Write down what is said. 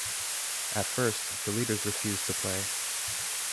At first, the leaders refuse to play.